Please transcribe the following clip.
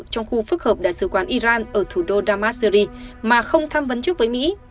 trong khu phức hợp đại sứ quán iran ở thủ đô damasyri mà không tham vấn trước với mỹ